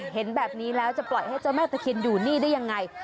เห็นแบบนี้แล้วจะปล่อยให้เจ้าแม่ตะเคียนอยู่นี่ได้ยังไง